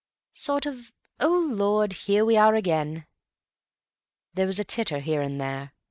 Sort of 'Oh, Lord, here we are again!'" There was a titter here and there.